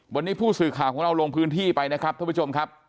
วันนี้ผู้สื่อข่าวของเราลงพื้นที่ไปนะครับท่านผู้ชมครับ